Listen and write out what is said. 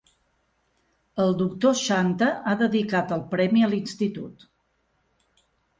El Doctor Shanta ha dedicat el premi a l"institut.